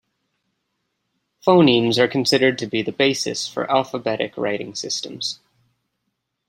Phonemes are considered to be the basis for alphabetic writing systems.